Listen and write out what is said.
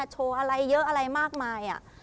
โชว์อะไรเยอะอะไรมากมาย